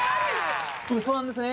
ウソなんですね